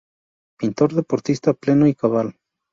Pintor, deportista pleno y cabal.